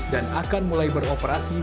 dan akan mulai beroperasi